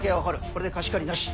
これで貸し借りなし。